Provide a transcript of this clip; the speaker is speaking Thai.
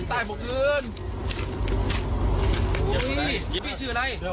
จะหาอีกแล้ว